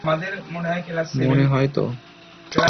মনে হয় তো।